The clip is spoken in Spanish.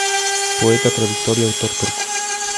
Poeta, traductor y autor turco.